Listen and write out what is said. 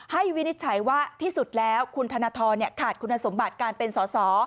วินิจฉัยว่าที่สุดแล้วคุณธนทรขาดคุณสมบัติการเป็นสอสอ